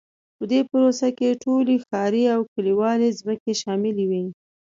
په دې پروسه کې ټولې ښاري او کلیوالي ځمکې شاملې وې.